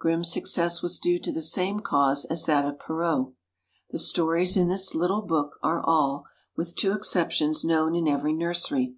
Grimm's success was due to the same cause as that of Perrault The stories In this little book are all, with two exceptions, known in every nursery.